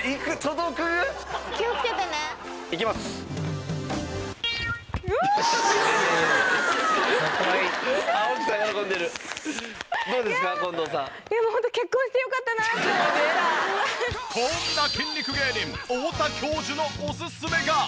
いやもうホントこんな筋肉芸人太田教授のおすすめが。